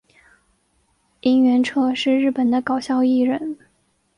萤原彻是日本的搞笑艺人。